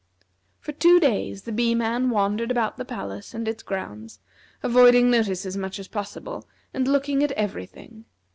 For two days the Bee man wandered about the palace and its grounds, avoiding notice as much as possible, but looking at every thing.